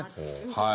はい。